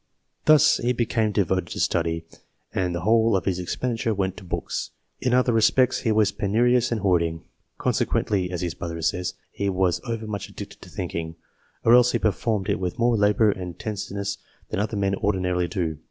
Thus he became devoted to study, and the whole of his expenditure went to books ; in other respects he was penu rious and hoarding. Consequently, as his brother says, " he was over much addicted to thinking, or else he per formed it with more labour and intenseness than other men ordinarily do.